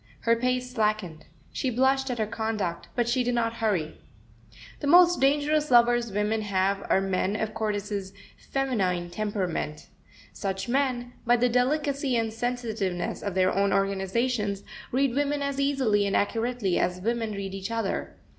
Her pace slackened. She blushed at her conduct, but she did not hurry. The most dangerous lovers women have are men of Cordis's feminine temperament. Such men, by the delicacy and sensitiveness of their own organizations, read women as easily and accurately as women read each other.